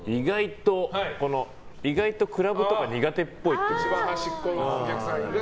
意外とクラブとか苦手っぽい。